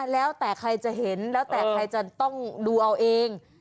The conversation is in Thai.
แล้วแต่ใครจะเห็นแล้วแต่ใครจะต้องดูเอาเอง